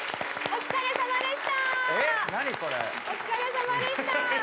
お疲れさまです